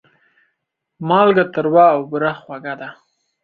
مالګه تروه او بوره خوږه ده.